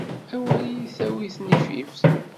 Awer iyi-tawi tnifift.